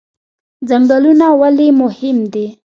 ځنګلونه ولې مهم دي؟